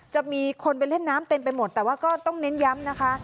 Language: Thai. จะมีคนไปเล่นน้ำเต็มไปหมดแต่ว่าก็ต้องเน้นย้ำนะคะ